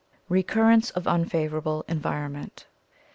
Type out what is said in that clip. Recurrence of Unfavorable Environment.